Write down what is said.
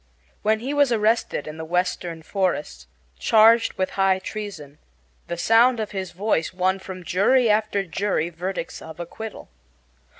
When he was arrested in the Western forests, charged with high treason, the sound of his voice won from jury after jury verdicts of acquittal.